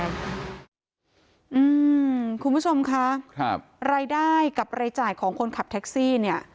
คุณผู้ชมคะครับรายได้กับรายจ่ายของคนขับแท็กซี่เนี่ย